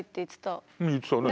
うん言ってたね。